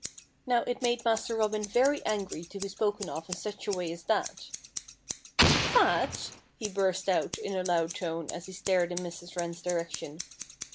Now, it made Master Robin very angry to be spoken of in such a way as that. "Fat!" he burst out in a loud tone as he stared in Mrs. Wren's direction.